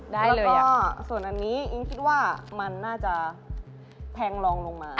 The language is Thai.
ได้เลยก็ส่วนอันนี้อิ๊งคิดว่ามันน่าจะแพงลองลงมา